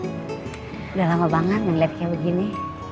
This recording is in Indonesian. sudah lama banget gue ngeliat kayak begini